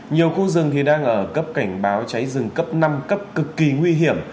nhiều khu rừng đang ở cấp cảnh báo cháy rừng cấp năm cấp cực kỳ nguy hiểm